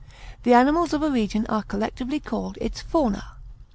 The animals of a region are collectively called its fauna.